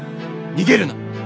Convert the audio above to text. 逃げるな！